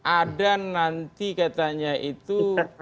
ada nanti katanya itu